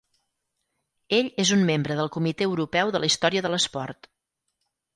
Ell és un Membre del Comitè Europeu de la Història de l'Esport.